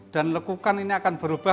dan lekukan ini akan menyebabkan